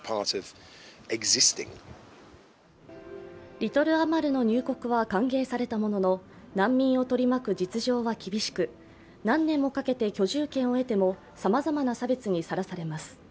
リトル・アマルの入国は歓迎されたものの難民を取り巻く実情は難しく、何年もかけて居住権を得てもさまざまな差別にさらされます。